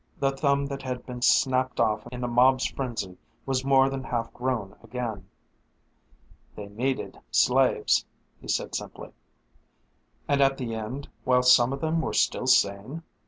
The thumb that had been snapped off in the mob's frenzy was more than half grown again. "They needed slaves," he said simply. "And at the end, while some of them were still sane?"